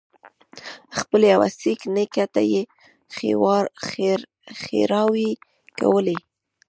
خپل يوه سېک نیکه ته یې ښېراوې کولې.